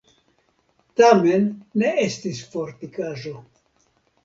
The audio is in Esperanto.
Tamen ne estis fortikaĵo.